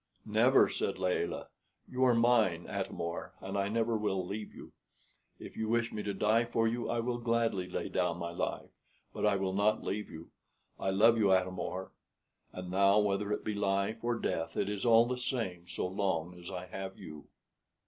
"Never," said Layelah; "you are mine, Atam or, and I never will leave you. If you wish me to die for you, I will gladly lay down my life; but I will not leave you. I love you, Atam or; and now, whether it be life or death, it is all the same so long as I have you."